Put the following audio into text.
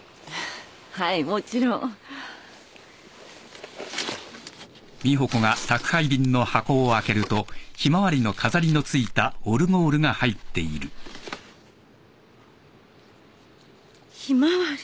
はいもちろん。ひまわり！？